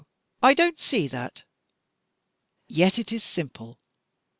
I don't see that." "Yet it is simple.